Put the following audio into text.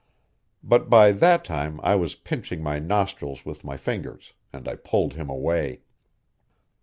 But by that time I was pinching my nostrils with my fingers, and I pulled him away.